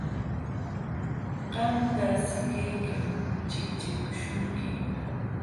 Qamta sikiykim chiqchipuśhunki.